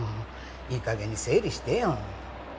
いい加減に整理してよ。